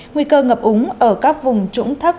nguy cơ ngập úng ở các vùng trũng thấp